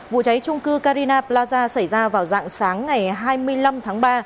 vụ cháy trung cư carina plaza xảy ra vào dạng sáng ngày hai mươi năm tháng ba